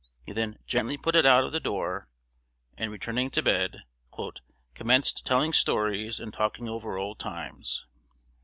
He then "gently" put it out of the door, and, returning to bed, "commenced telling stories and talking over old times."